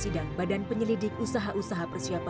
dan aku telah berkata